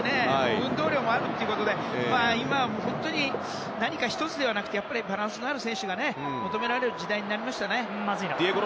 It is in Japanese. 運動量もあるということで今は本当に何か１つではなくてバランスのある選手が求められる時代になりましたね。